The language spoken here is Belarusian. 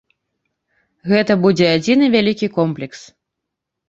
Гэта будзе адзіны вялікі комплекс.